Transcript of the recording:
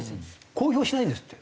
公表しないんですって。